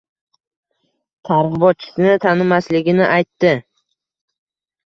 Targ‘ibotchisini tanimasligini aytdi.